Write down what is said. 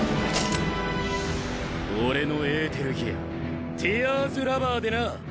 俺のエーテルギアティアーズラバーでな！